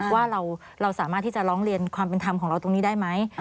ว่าเราสามารถที่จะร้องเรียนความเป็นธรรมของเราตรงนี้ได้ไหม